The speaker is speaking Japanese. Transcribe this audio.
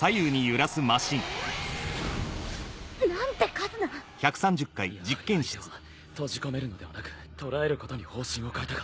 やはり相手は閉じ込めるのではなく捕らえることに方針を変えたか。